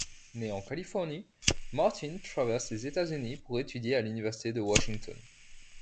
Né en Californie, Martin traverse les États-Unis pour étudier à l'Université de Washington.